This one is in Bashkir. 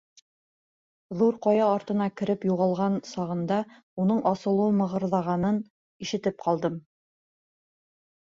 Ҙур ҡая артына кереп юғалған сағында уның асыулы мығырҙағанын ишетеп ҡалдым.